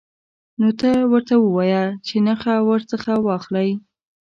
نو ته ورته ووایه چې نخښه ورڅخه واخلئ.